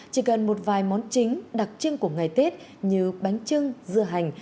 chỉ cần một vài món chính đặc trưng của ngày tết như bánh trưng dưa hành